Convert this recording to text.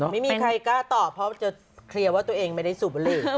ไม่มีใครกล้าตอบเพราะจะเคลียร์ว่าตัวเองไม่ได้สูบบุหรี่